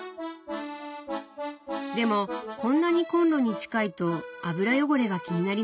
でもこんなにコンロに近いと油汚れが気になりませんか？